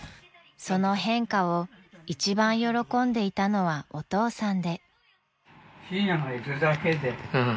［その変化を一番喜んでいたのはお父さんで］